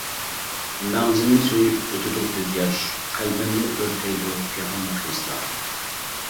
مەڭزىمنى سۆيۈپ ئۆتىدۇ كۆز ياش، قەلبىمنى ئۆرتەيدۇ پىغانلىق ھېسلار.